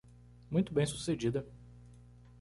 Muito bem sucedida.